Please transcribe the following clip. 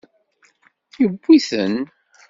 Yewwi-ten.